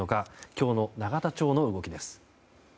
今日の永田町の動きです。